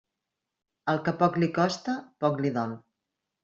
Al que poc li costa, poc li dol.